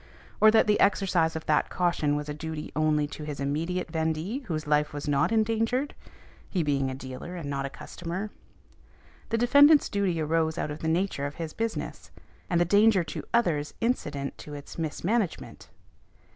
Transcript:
Or that the exercise of that caution was a duty only to his immediate vendee, whose life was not endangered? (He being a dealer and not a customer.) The defendant's duty arose out of the nature of his business, and the danger to others incident to its mismanagement.